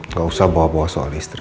tidak usah bawa bawa soal istri